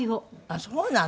ああそうなの？